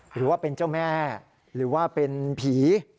หรือว่าเป็นเจ้าแม่หรือว่าเป็นผี